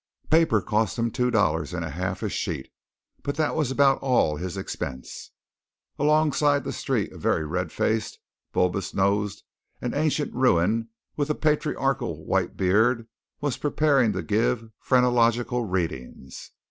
Paper cost him two dollars and a half a sheet; but that was about all his expense. Alongside the street a very red faced, bulbous nosed and ancient ruin with a patriarchal white beard was preparing to give phrenological readings.